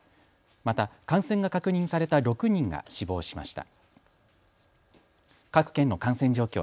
また感染が確認された６人が死亡しました。